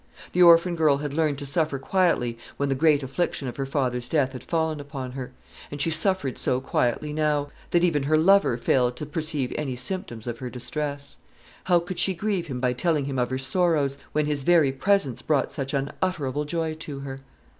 The orphan girl had learned to suffer quietly when the great affliction of her father's death had fallen upon her; and she suffered so quietly now, that even her lover failed to perceive any symptoms of her distress. How could she grieve him by telling him of her sorrows, when his very presence brought such unutterable joy to her?